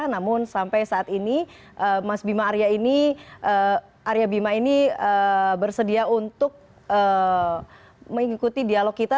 namun sampai saat ini mas bima arya ini arya bima ini bersedia untuk mengikuti dialog kita